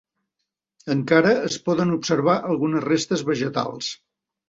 Encara es poden observar algunes restes vegetals.